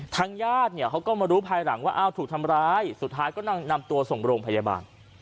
ญาติเนี่ยเขาก็มารู้ภายหลังว่าอ้าวถูกทำร้ายสุดท้ายก็นำตัวส่งโรงพยาบาล